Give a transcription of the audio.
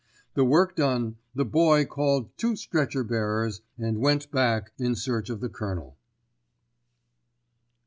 The work done, the Boy called two stretcher bearers, and went back in search of the Colonel.